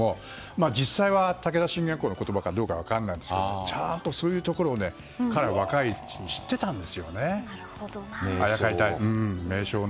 実際に武田信玄公の言葉かどうかは分からないんですけどちゃんとそういうところを侍は知っていたんですね。